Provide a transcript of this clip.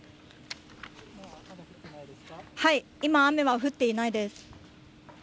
はい、今、雨は降っていないです。